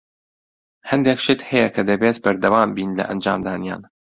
هەندێک شت هەیە کە دەبێت بەردەوام بین لە ئەنجامدانیان.